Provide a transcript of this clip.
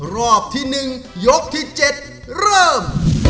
รอบที่๑ยกที่๗เริ่ม